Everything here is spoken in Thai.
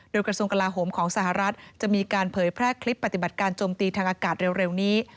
โดยกระทรวงกลาโหมของสหรัฐจะมีการเผยแพร่คลิปปฏิบัติการจมตีทางอากาศเร็วนี้